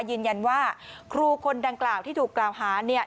ยืนยันว่าครูคนดังกล่าวที่ถูกกล่าวหาเนี่ย